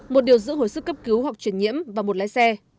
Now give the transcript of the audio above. một điều giữ hồi sức cấp cứu hoặc chuyển nhiễm và một lái xe